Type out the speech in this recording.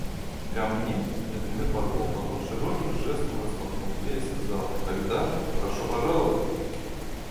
– Ко мне? – Джентльмен подумал, потом широким жестом распахнул дверь и сказал: – Тогда… прошу пожаловать!..